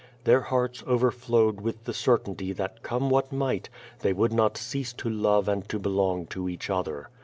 Their hearts overflowed with the certainty that come what might, they would not cease to love and to belong to each other.